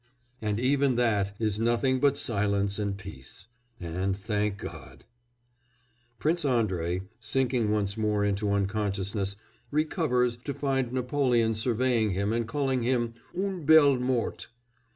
And even that is nothing but silence and peace! And thank God!'" Prince Andrei, sinking once more into unconsciousness, recovers to find Napoleon surveying him and calling him "une belle mort."